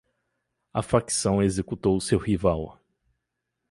A facção executou seu rival